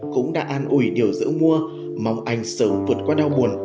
cũng đã an ủi điều giữa mua mong anh sớm vượt qua đau buồn